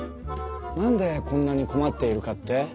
なんでこんなにこまっているかって？